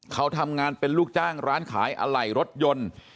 เขาทำงานเป็นลูกจ้างร้านขายอะไหล่รถยนต์